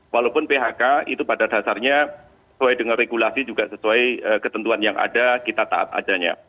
walaupun phk itu pada dasarnya sesuai dengan regulasi juga sesuai ketentuan yang ada kita taat adanya